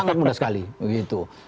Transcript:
sangat muda sekali